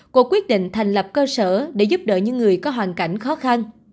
cô quyết định thành lập cơ sở để giúp đỡ những người có hoàn cảnh khó khăn